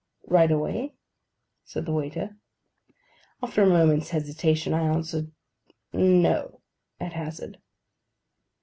'Right away?' said the waiter. After a moment's hesitation, I answered 'No,' at hazard.